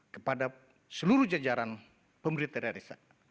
kepada seluruh jajaran pemerintah daerah desa